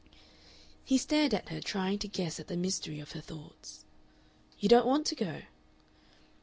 He stared at her, trying to guess at the mystery of her thoughts. "You don't want to go?"